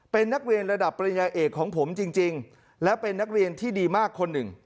เป็นนักเรียนระดับปริญญาเอกของผมจริงและเป็นนักเรียนที่ดีมากคนหนึ่ง